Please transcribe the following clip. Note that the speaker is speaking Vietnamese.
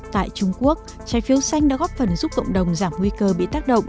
tại trung quốc trái phiếu xanh đã góp phần giúp cộng đồng giảm nguy cơ bị tác động